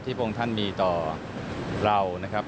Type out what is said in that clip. พระองค์ท่านมีต่อเรานะครับ